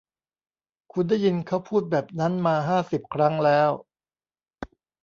คุณได้ยินเค้าพูดแบบนั้นมาห้าสิบครั้งแล้ว